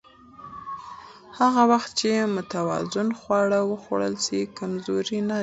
هغه وخت چې متوازن خواړه وخوړل شي، کمزوري نه ډېریږي.